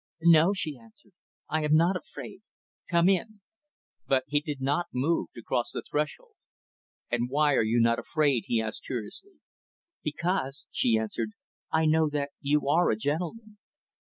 "No," she answered, "I am not afraid. Come in." But he did not move to cross the threshold. "And why are you not afraid?" he asked curiously. "Because," she answered, "I know that you are a gentleman."